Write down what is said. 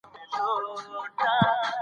هغه به په کرایه کور کې اوسیږي.